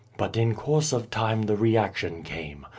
" But in course of time the reaction came.